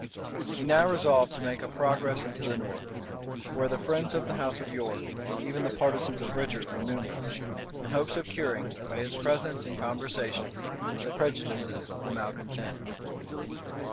He now resolved to make a progress into the north, where the friends of the house of York, and even the partisans of Richard, were numerous, in hopes of curing, by his presence and conversation, the prejudices of the malecontents.